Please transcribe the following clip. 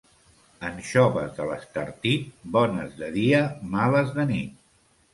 Anxoves de l'Estartit, bones de dia, males de nit.